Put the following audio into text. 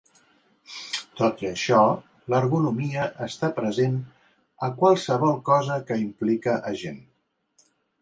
Tot i això, l'ergonomia està present a qualsevol cosa que implica a gent.